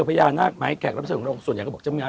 พญานาคไหมแคดดับนี้ทรงเราก็ส่วน